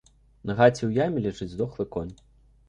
На гаці ў яме ляжыць здохлы конь.